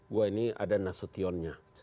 gue ini ada nasutionnya